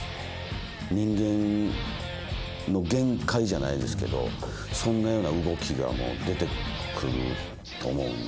人間の限界じゃないですけどそんなような動きが出てくると思うんで。